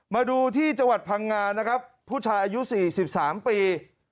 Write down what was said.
มาดูที่จังหวัดพังงานะครับผู้ชายอายุ๔๓ปี